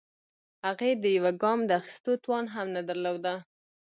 هغې د يوه ګام د اخيستو توان هم نه درلوده.